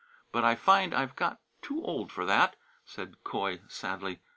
But I find I've got too old for that," said Coy, sadly.